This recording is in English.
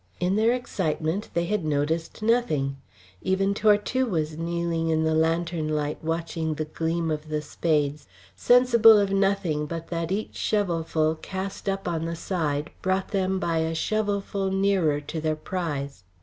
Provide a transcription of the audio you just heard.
In their excitement they had noticed nothing; even Tortue was kneeling in the lantern light watching the gleam of the spades, sensible of nothing but that each shovelful cast up on the side brought them by a shovelful nearer to their prize.